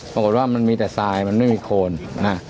ปรากฏว่ามันมีแต่ทรายมันไม่มีโคนนะ